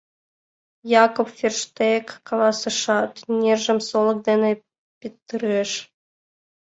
Якоб Ферштег каласышат, нержым солык дене петырыш.